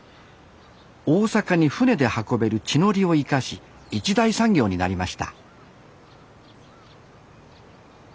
大阪に船で運べる地の利を生かし一大産業になりました